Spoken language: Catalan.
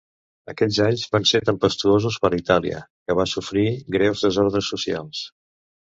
Aquells anys van ser tempestuosos per a Itàlia, que va sofrir greus desordres socials.